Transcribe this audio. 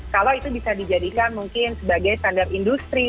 kalau itu bisa dijadikan mungkin sebagai standar industri